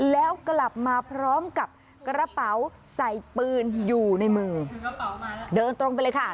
แล้วกลับมาพร้อมกับกระเป๋าใส่ปืนอยู่ในมือเดินตรงไปเลยค่ะ